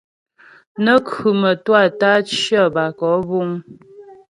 Nə́ khʉ mə́twâ tə́ á cyə bə́ á kɔ'ɔ buŋ.